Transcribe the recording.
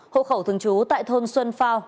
hộ khẩu thường trú tại thôn xuân phao